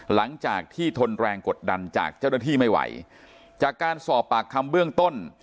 หลังจากที่ทนแรงกดดันจากเจ้าหน้าที่ไม่ไหวจากการสอบปากคำเบื้องต้น